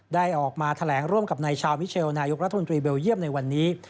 ได้ออกมาแถลงร่วมกับนายชาวมิเชลนายกรัฐมนตรีเบลเยี่ยมในวันนี้